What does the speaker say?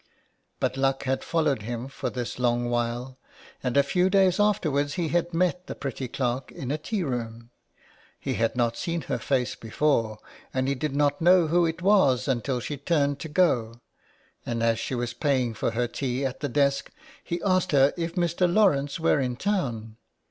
But luck had followed him for this long while, and a few days afterwards he had met the pretty clerk in a tea room. He had not seen her face before, and he did not know who it was until she turned to go, and as she was paying for her tea at the desk he asked her if Mr. Lawrence were in town.